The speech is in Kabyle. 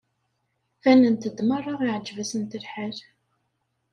Banent-d merra iεǧeb-asent lḥal.